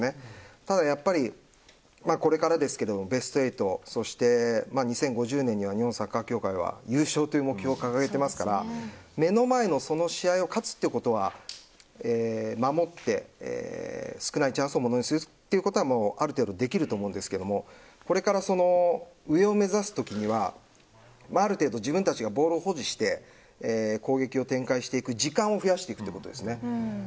ただ、これからですがベスト８そして２０５０年には日本サッカー協会は優勝という目標を掲げてますから目の前のその試合を勝つってことは守って、少ないチャンスをものにするということはある程度できると思うんですけどこれから上を目指す時はある程度自分たちがボールを保持して攻撃を展開していく時間を増やしていくということですね。